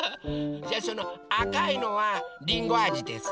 じゃあそのあかいのはりんごあじですね？